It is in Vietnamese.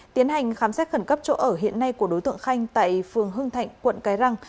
tiến hành khám xét khẩn cấp chỗ ở hiện nay của đối tượng khanh tại phường hưng thạnh quận cái răng